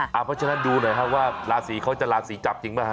เพราะฉะนั้นดูหน่อยครับว่าราศีเขาจะราศีจับจริงไหมฮ